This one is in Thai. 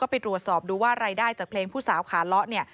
ไปตรวจสอบดูว่ารายได้จากเพลงผู้สาวขาเลาะเนี่ย